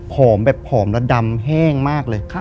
พร้อมแบบพร้อมและดำแห้งมากเลย